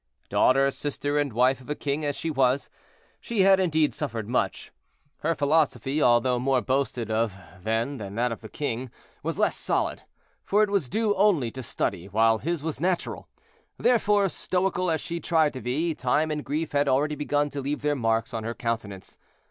Daughter, sister, and wife of a king as she was, she had indeed suffered much. Her philosophy, although more boasted of than that of the king, was less solid; for it was due only to study, while his was natural. Therefore, stoical as she tried to be, time and grief had already begun to leave their marks on her countenance.